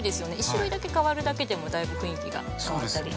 １種類だけ変わるだけでもだいぶ雰囲気が変わったり。